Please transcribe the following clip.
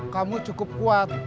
kamu cukup kuat